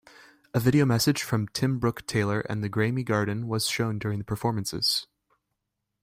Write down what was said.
A video message from Tim Brooke-Taylor and Graeme Garden was shown during the performances.